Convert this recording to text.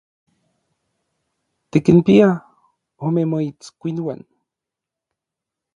Tikinpia ome moitskuinuan.